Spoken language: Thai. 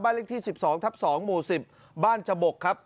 เลขที่๑๒ทับ๒หมู่๑๐บ้านจบกครับ